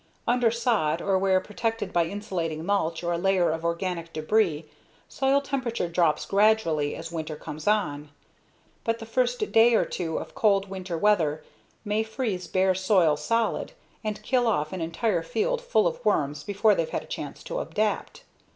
Under sod or where protected by insulating mulch or a layer of organic debris, soil temperature drops gradually as winter comes on. But the first day or two of cold winter weather may freeze bare soil solid and kill off an entire field full of worms before they've had a chance to adapt.